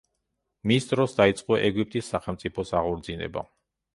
მის დროს დაიწყო ეგვიპტის სახელწმიფოს აღორძინება.